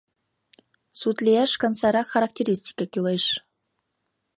Суд лиеш гын, сайрак характеристике кӱлеш.